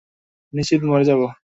নিশ্চিত মরে যাবে।